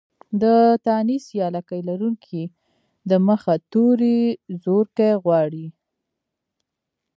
د تانيث يا لکۍ لرونکې ۍ د مخه توری زورکی غواړي.